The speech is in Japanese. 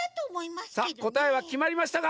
さあこたえはきまりましたか？